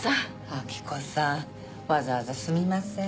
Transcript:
明子さんわざわざすみません。